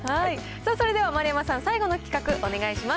さあ、それでは丸山さん、最後の企画、お願いします。